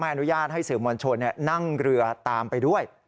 อนุญาตให้สื่อมวลชนนั่งเรือตามไปด้วย